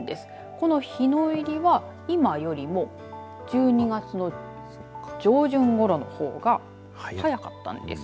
この日の入りは、今よりも１２月の上旬ごろの方が早かったんです。